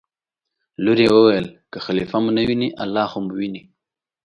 لور یې وویل: که خلیفه مو نه ویني الله خو مو ویني.